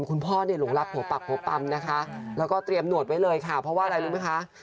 อืม